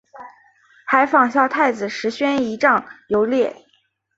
还仿效太子石宣仪仗游猎。